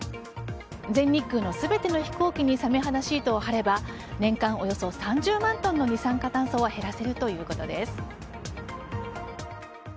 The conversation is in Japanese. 全日空の全ての飛行機にサメ肌シートを貼れば年間およそ３０万トンの二酸化炭素を減らせるということです。